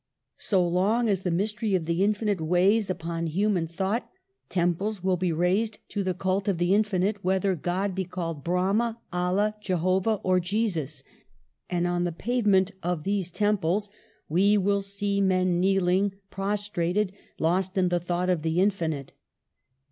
So long as the mystery of the infinite weighs upon human THE SOVEREIGNTY OF GENIUS 143 thought, temples will be raised to the cult of the infinite, whether God be called Brahma, Allah, Jehovah or Jesus. And on the pavement of these temples we will see men kneeling, prostrated, lost in the thought of the infinite.